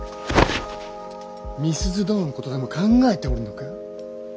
美鈴殿のことでも考えておるのか？